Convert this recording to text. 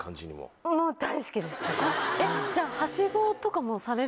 えっじゃあ。